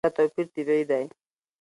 دا توپیر طبیعي دی.